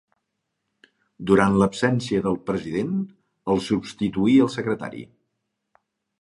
Durant l'absència del president, el substituí el secretari.